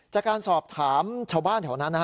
จากการสอบถามชาวบ้านแถวนั้น